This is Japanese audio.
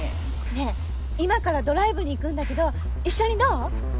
ねえ今からドライブに行くんだけど一緒にどう？